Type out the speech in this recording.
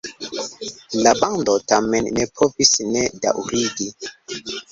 La bando tamen ne povis ne daŭrigi.